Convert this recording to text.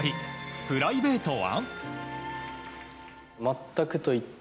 プライベートは？